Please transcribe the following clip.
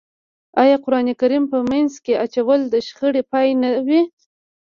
آیا قرآن کریم په منځ کې اچول د شخړې پای نه وي؟